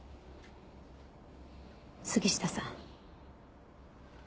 杉下さん。